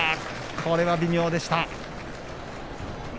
これは微妙でした。